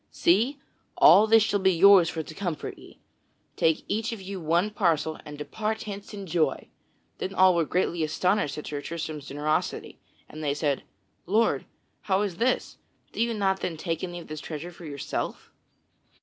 See! all this shall be yours for to comfort ye! Take each of you one parcel and depart hence in joy!" Then all they were greatly astonished at Sir Tristram's generosity, and they said: "Lord, how is this? Do you not then take any of this treasure for yourself?"